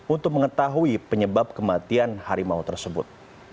untuk mengetahui penyebab kematian harimau tersebut